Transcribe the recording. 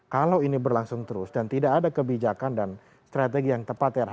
kalau ini berlangsung terus dan tidak ada kebijakan dan strategi yang tepat